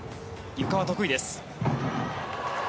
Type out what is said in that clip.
ゆかは得意です。